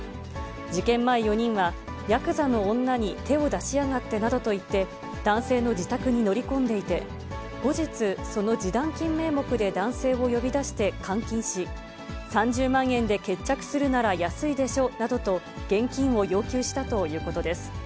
事件前４人は、やくざの女に手を出しやがってなどと言って、男性の自宅に乗り込んでいて、後日、その示談金名目で男性を呼び出して監禁し、３０万円で決着するなら安いでしょなどと現金を要求したということです。